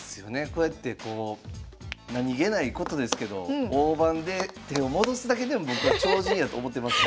こうやってこう何気ないことですけど大盤で手を戻すだけでも僕は超人やと思ってます。